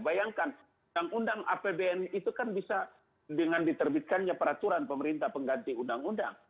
bayangkan yang undang apbn itu kan bisa dengan diterbitkannya peraturan pemerintah pengganti undang undang